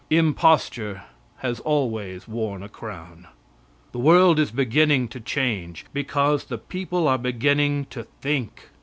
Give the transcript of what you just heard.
Imposture has always worn a crown. The world is beginning to change because the people are beginning to think.